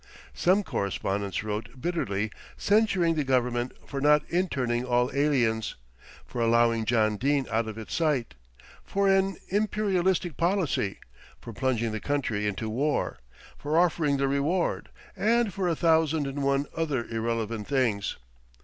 Some correspondents wrote bitterly censuring the Government for not interning all aliens, for allowing John Dene out of its sight, for an Imperialistic policy, for plunging the country into war, for offering the reward, and for a thousand and one other irrelevant things.